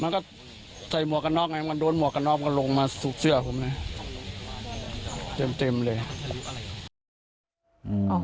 มันก็ใส่หมวกนอกไงมันโดนหมวกนอกก็ลงมาสุกเสื้อผมเนี้ยเต็มเต็มเลย